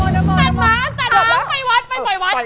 ตัดหางตัดหางไปวัด